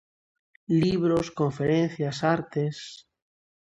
Libros, conferencias, artes...